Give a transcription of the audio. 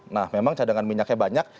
nah memang cadangan minyaknya banyak